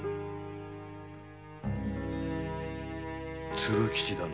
鶴吉だな。